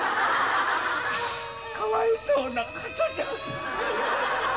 かわいそうな加トちゃん。